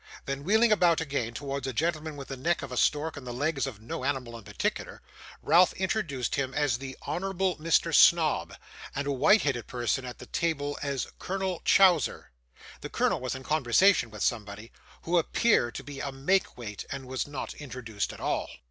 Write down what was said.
Then wheeling about again, towards a gentleman with the neck of a stork and the legs of no animal in particular, Ralph introduced him as the Honourable Mr. Snobb; and a white headed person at the table as Colonel Chowser. The colonel was in conversation with somebody, who appeared to be a make weight, and was not introduced at all.